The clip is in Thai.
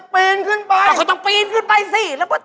พี่